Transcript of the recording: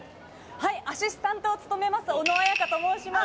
はいアシスタントを務めます小野彩香と申します。